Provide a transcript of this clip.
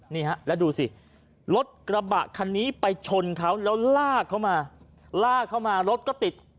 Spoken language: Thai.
นี่ฮะแล้วดูสิรถกระบะคันนี้ไปชนเขาแล้วลากเข้ามาลากเข้ามารถก็ติด